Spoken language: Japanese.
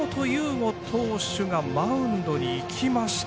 吾投手がマウンドに行きました。